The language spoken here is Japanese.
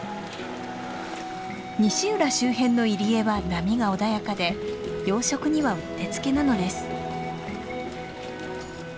西浦周辺の入り江は波が穏やかで養殖にはうってつけなのです。